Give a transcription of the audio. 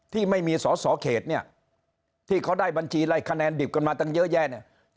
ที่ไม่มีสอสอเขตเนี่ยที่เขาได้บัญชีอะไรคะแนนดิบกันมาตั้งเยอะแยะเนี่ย